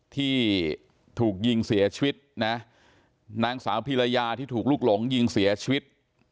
ที่ถูกยิงเสียชีวิตนะนางสาวพีรยาที่ถูกลูกหลงยิงเสียชีวิต